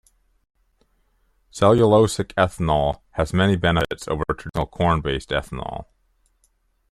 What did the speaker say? Cellulosic ethanol has many benefits over traditional corn based-ethanol.